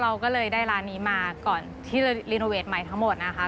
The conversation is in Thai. เราก็เลยได้ร้านนี้มาก่อนที่จะรีโนเวทใหม่ทั้งหมดนะคะ